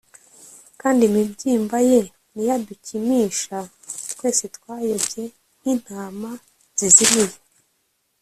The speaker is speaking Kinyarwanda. kandimibyimba ye ni yadukmsha Twese twayobye nkintama zizimiye